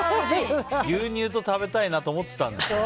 牛乳と食べたいなと思ってたんですよ。